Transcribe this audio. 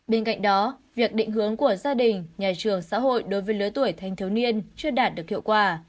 bên cạnh đó việc định hướng của gia đình nhà trường xã hội đối với lứa tuổi thanh thiếu niên chưa đạt được hiệu quả